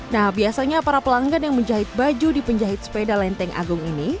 nah biasanya para pelanggan yang menjahit baju di penjahit sepeda lenteng agung ini